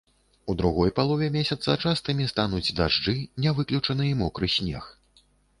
У другой палове месяца частымі стануць дажджы, не выключаны і мокры снег.